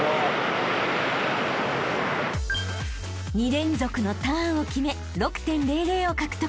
［２連続のターンを決め６．００を獲得］